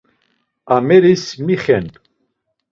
Ameris mi xen?